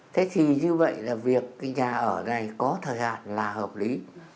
thế thì như vậy là việc cái nhà ở này có thời hạn là hợp lý